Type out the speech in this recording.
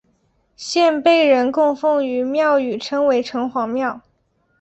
现被人供奉于庙宇称为城隍庙。